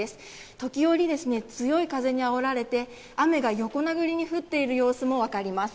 時折強い風にあおられて、雨が横殴りに降っている様子もわかります。